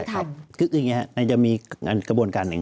คืออย่างนี้ครับมันจะมีกระบวนการหนึ่ง